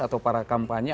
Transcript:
atau para kampanye